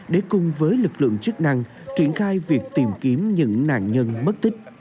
để cùng với lực lượng chức năng triển khai việc tìm kiếm những nạn nhân mất tích